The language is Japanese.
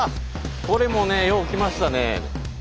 これもねよう来ましたね。